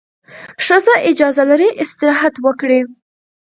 ښځه اجازه لري استراحت وکړي.